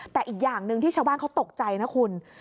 แต่อีกอย่างหนึ่งที่ชาวบ้านเขาตกใจนะคุณ